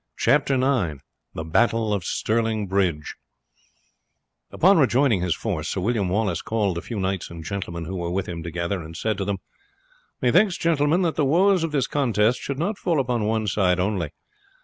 Chapter IX The Battle of Stirling Bridge Upon rejoining his force Sir William Wallace called the few knights and gentlemen who were with him together, and said to them: "Methinks, gentlemen, that the woes of this contest should not fall upon one side only.